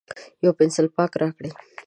یو پینسیلپاک راکړئ